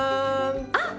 あっ！